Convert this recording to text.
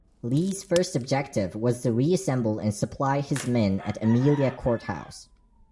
Lee's first objective was to reassemble and supply his men at Amelia Courthouse.